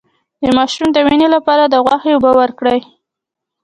د ماشوم د وینې لپاره د غوښې اوبه ورکړئ